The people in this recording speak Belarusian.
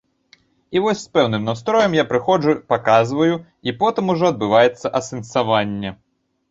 І вось з пэўным настроем я прыходжу, паказваю, і потым ужо адбываецца асэнсаванне.